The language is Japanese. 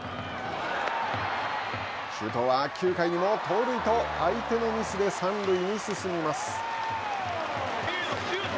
周東は９回にも盗塁と相手のミスで三塁に進みます。